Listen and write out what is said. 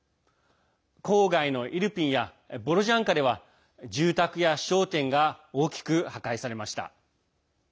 郊外のイルピンやボロジャンカでは住宅や商店が大きく破壊されました。